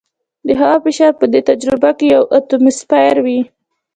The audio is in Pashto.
د هوا فشار په دې تجربه کې یو اټموسفیر وي.